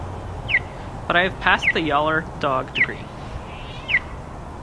But I have passed the yaller dog degree.